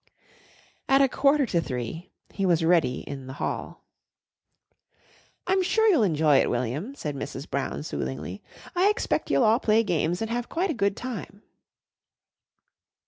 At a quarter to three he was ready in the hall. "I'm sure you'll enjoy it, William," said Mrs. Brown soothingly. "I expect you'll all play games and have quite a good time."